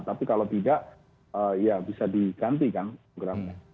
tapi kalau tidak ya bisa diganti kan programnya